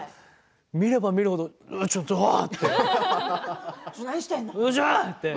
見れば見るほどちょっと、おい！